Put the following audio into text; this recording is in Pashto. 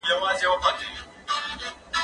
زه سبا ته فکر کړی دی؟!